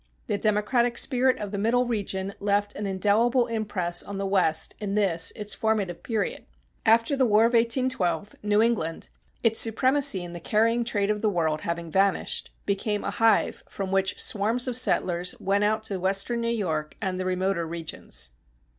The democratic spirit of the Middle region left an indelible impress on the West in this its formative period. After the War of 1812, New England, its supremacy in the carrying trade of the world having vanished, became a hive from which swarms of settlers went out to western New York and the remoter regions.